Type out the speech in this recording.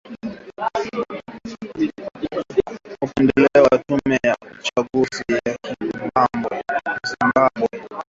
upendeleo wa tume ya uchaguzi ya Zimbabwe, na polisi kwa kukipendelea chama tawala cha